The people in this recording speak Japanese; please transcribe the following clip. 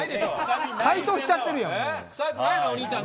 解凍しちゃってるじゃん。